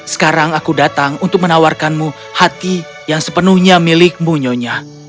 sekarang aku datang untuk menawarkanmu hati yang sepenuhnya milikmu nyonya